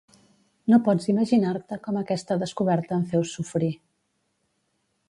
No pots imaginar-te com aquesta descoberta em feu sofrir.